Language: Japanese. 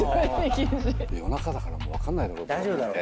夜中だから分かんないだろうと思って。